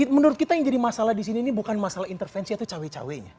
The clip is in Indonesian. menurut kita yang jadi masalah di sini ini bukan masalah intervensi atau cawe cawe nya